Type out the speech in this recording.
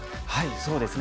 そうですね。